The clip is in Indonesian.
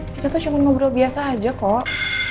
kita tuh cuma ngobrol biasa aja kok